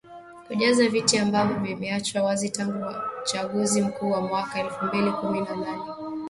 Kujaza viti ambavyo vimeachwa wazi tangu uachaguzi mkuu wa mwaka elfu mbili kumi na nane.